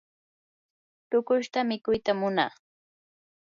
tuqushta mikuytam munaa.